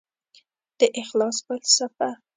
د اخلاص فلسفه